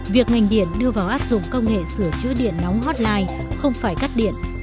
việc ngành điện đưa vào áp dụng công nghệ sửa chữa điện nóng hotline không phải cắt điện